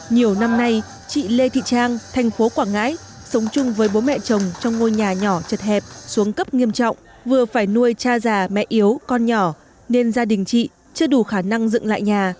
nhiều năm nay chị lê thị trang thành phố quảng ngãi sống chung với bố mẹ chồng trong ngôi nhà nhỏ chật hẹp xuống cấp nghiêm trọng vừa phải nuôi cha già mẹ yếu con nhỏ nên gia đình chị chưa đủ khả năng dựng lại nhà